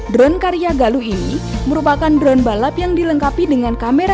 drone karya galu ini merupakan drone balap yang dilengkapi dengan kamera